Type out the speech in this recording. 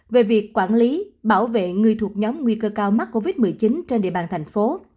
về việc quản lý bảo vệ người thuộc nhóm nguy cơ cao mắc covid một mươi chín trên địa bàn thành phố